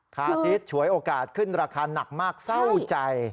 อาทิตย์ฉวยโอกาสขึ้นราคาหนักมากเศร้าใจ